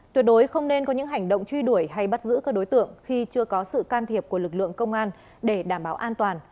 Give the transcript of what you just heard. tuyệt đối không nên có những hành động truy đuổi hay bắt giữ các đối tượng khi chưa có sự can thiệp của lực lượng công an để đảm bảo an toàn